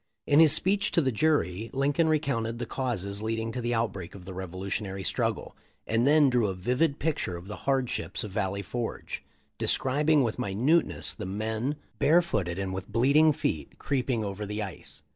In his speech to the jury, Lincoln recounted the causes leading to the outbreak of the Revolutionary strug gle, and then drew a vivid picture of the hardships of Valley Forge, describing with minuteness the men, barefooted and with bleeding feet, creeping over the ice.